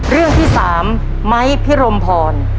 เรื่องที่๓ไม้พิรมพร